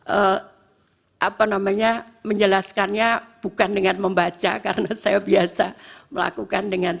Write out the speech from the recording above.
eee apa namanya menjelaskannya bukan dengan membaca karena saya biasa melakukan dengan